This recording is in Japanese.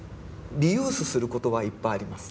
リユースすることはいっぱいあります。